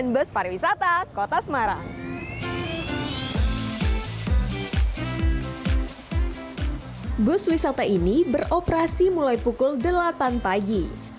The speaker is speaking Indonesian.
bus pariwisata ini beroperasi mulai pukul delapan pagi